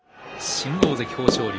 新大関・豊昇龍。